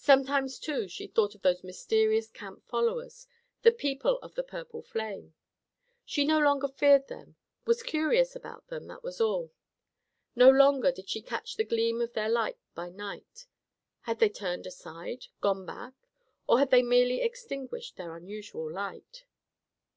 Sometimes, too, she thought of those mysterious camp followers—the people of the purple flame. She no longer feared them; was curious about them, that was all. No longer did she catch the gleam of their light by night. Had they turned aside, gone back, or had they merely extinguished their unusual light?